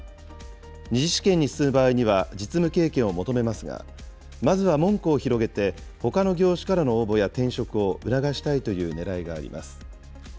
２次試験に進む場合には実務経験を求めますが、まずは門戸を広げて、ほかの業種からの応募や転職を促したいというねらいがあります。